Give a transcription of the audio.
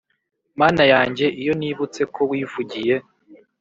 mana yanjye iyo nibutse ko wivugiye